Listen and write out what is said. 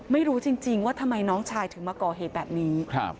ไม่รู้จริงว่าทำไมน้องชายถึงมาก่อเหตุแบบนี้